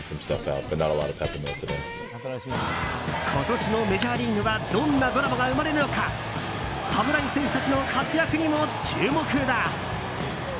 今年のメジャーリーグはどんなドラマが生まれるのか侍戦士たちの活躍にも注目だ！